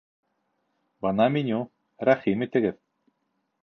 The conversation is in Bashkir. Бына меню, рәхим итегеҙ